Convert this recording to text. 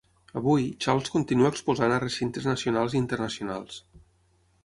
Avui, Charles continua exposant a recintes nacionals i internacionals.